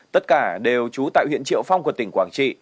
tất cả đều trú tại huyện triệu phong của tỉnh quảng trị